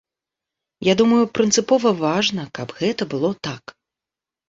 Я думаю, прынцыпова важна, каб гэта было так.